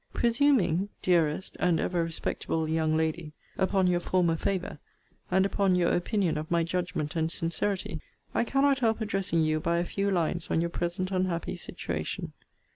Presuming, dearest and ever respectable young lady, upon your former favour, and upon your opinion of my judgment and sincerity, I cannot help addressing you by a few lines on your present unhappy situation.